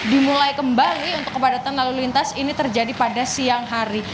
dimulai kembali untuk kepadatan lalu lintas ini terjadi pada siang hari